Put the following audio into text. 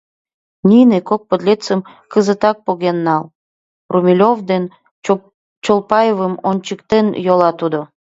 — Нине кок подлецым кызытак поген нал, — Румелёв ден Чолпаевым ончыктен ойла тудо.